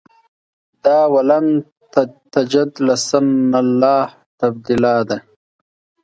دا ولن تجد لسنة الله تبدیلا ده.